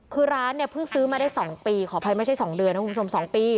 คือร้านเนี่ยเพิ่งซื้อมาได้๒ปีขออภัยไม่ใช่๒เดือนนะคุณผู้ชม๒ปี